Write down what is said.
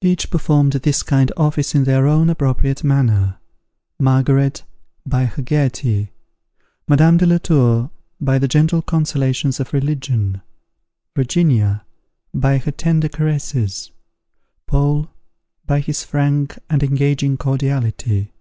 Each performed this kind office in their own appropriate manner: Margaret, by her gaiety; Madame de la Tour, by the gentle consolations of religion; Virginia, by her tender caresses; Paul, by his frank and engaging cordiality.